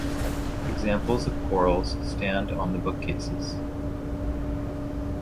Examples of corals stand on the bookcases.